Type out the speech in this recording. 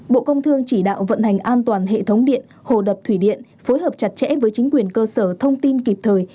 bộ công thương chỉ đạo vận hành an toàn hệ thống điện hồ đập thủy điện phối hợp chặt chẽ với chính quyền cơ sở thông tin kịp thời